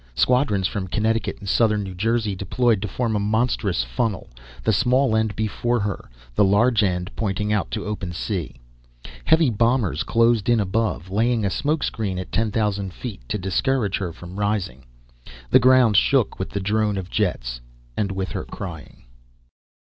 Squadrons from Connecticut and southern New Jersey deployed to form a monstrous funnel, the small end before her, the large end pointing out to open sea. Heavy bombers closed in above, laying a smoke screen at 10,000 feet to discourage her from rising. The ground shook with the drone of jets, and with her crying.